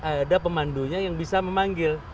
ada pemandunya yang bisa memanggil